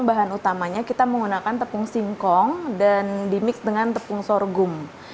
bahan utamanya kita menggunakan tepung singkong dan dimix dengan tepung sorghum